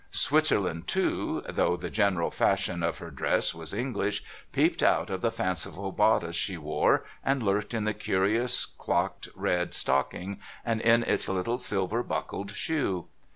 Switzerland too, though the general fashion of her dress was English, peeped out of the fanciful bodice she wore, and lurked in the curious clocked red stocking, and in its little silver buckled shoe.